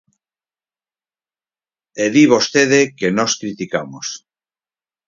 E di vostede que nós criticamos.